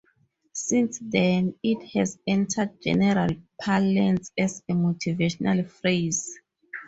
Since then, it has entered general parlance as a motivational phrase.